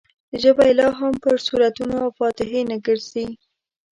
ژبه یې لا هم پر سورتونو او فاتحې نه ګرځي.